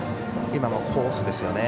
今のコースですね。